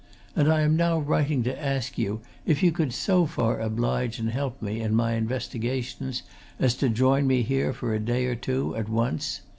And I am now writing to ask you if you could so far oblige and help me in my investigations as to join me here for a day or two, at once?